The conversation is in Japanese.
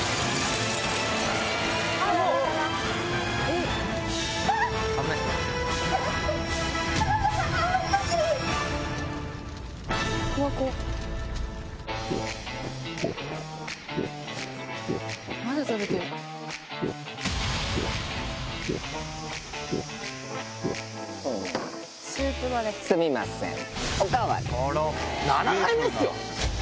えっ⁉すみません。